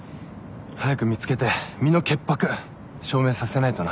早く見つけて身の潔白証明させないとな。